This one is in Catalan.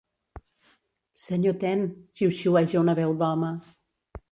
Senyor Ten —xiuxiueja una veu d'home.